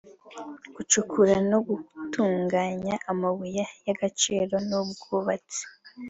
gucukura no gutunganya amabuye y’agaciro n’ubwubatsi